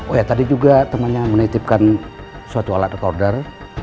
oh ya tadi juga temannya menitipkan suatu alat recorder